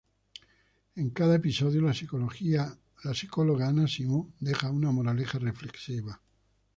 En cada episodio la psicóloga Ana Simó deja una moraleja reflexiva.